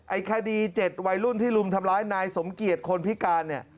ไอ้คดี๗วัยรุ่นที่รุมทำร้ายนายสมเกียจคนพิการเนี่ย